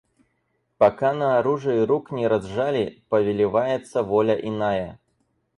Пока на оружии рук не разжали, повелевается воля иная.